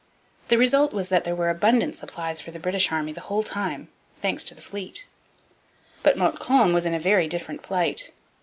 The result was that there were abundant supplies for the British army the whole time, thanks to the fleet. But Montcalm was in a very different plight.